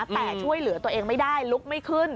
แต่ช่วยเหลือตัวเองไม่ได้ลุกไม่ขึ้น